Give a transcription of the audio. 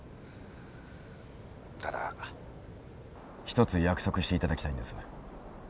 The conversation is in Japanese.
ただ一つ約束していただきたいんです。